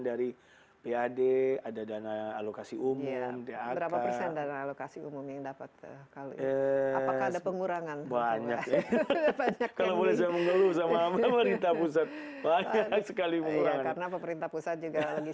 dari pad ada dana alokasi umum dapet pengurangan banyak sekali karena pemerintah pusat juga lagi